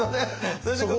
それで「心」。